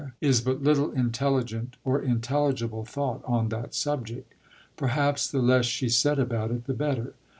is but little intelligent or intelligible thought on that sub ject. Perhaps the less she said about it the better.